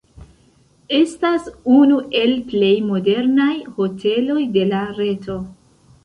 Estas unu el plej modernaj hoteloj de la reto.